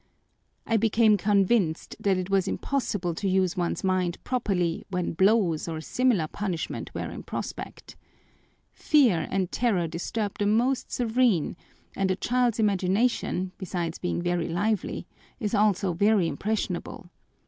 I became convinced that it was impossible to use one's mind properly when blows, or similar punishment, were in prospect. Fear and terror disturb the most serene, and a child's imagination, besides being very lively, is also very impressionable.